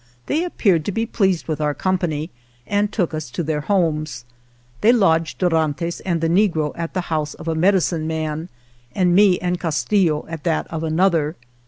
They appeared to be pleased with our company and took us to their homes. They lodged Dorantes and the negro at the house of a medicine man, and me and Castillo at that of another.